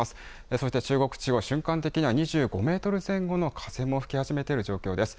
それでは中国地方、瞬間的には２５メートル前後の風も吹き始めている状況です。